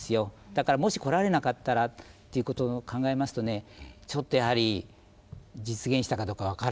だからもし来られなかったらということを考えますとねちょっとやはり実現したかどうか分からないと思いますね。